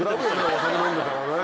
お酒飲んでたらね。